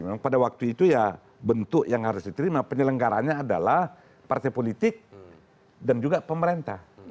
memang pada waktu itu ya bentuk yang harus diterima penyelenggaranya adalah partai politik dan juga pemerintah